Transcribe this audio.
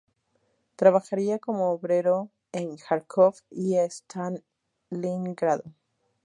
Trabajaría como obrero en Járkov y Stalingrado.